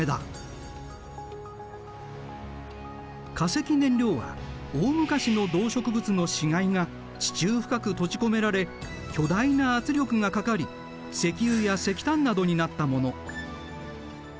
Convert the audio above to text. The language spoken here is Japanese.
化石燃料は大昔の動植物の死骸が地中深く閉じ込められ巨大な圧力がかかり石油や石炭などになったもの。